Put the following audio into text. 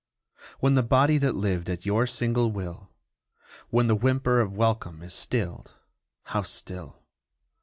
When the body that lived at your single will When the whimper of welcome is stilled (how still!)